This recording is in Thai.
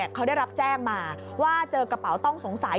เขาได้รับแจ้งมาว่าเจอกระเป๋าต้องสงสัย